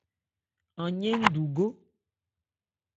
An yɛ́n ndu gó.